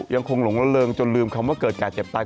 หลงละเริงจนลืมคำว่าเกิดการเจ็บตาย